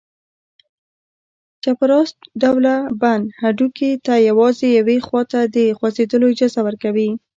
چپراست ډوله بند هډوکي ته یوازې یوې خواته د خوځېدلو اجازه ورکوي.